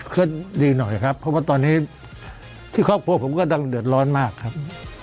ก็ดีหน่อยครับเพราะว่าตอนนี้ที่ครอบครัวผมก็ดังเดือดร้อนมากครับ